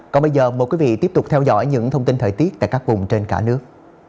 còn bây giờ mời quý vị tiếp tục theo dõi những thông tin thời tiết tại các vùng trên cả nước